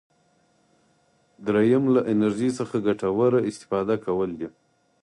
دریم له انرژي څخه ګټوره استفاده کول دي.